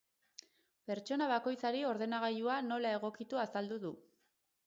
Pertsona bakoitzari ordenagailua nola egokitu azaldu du.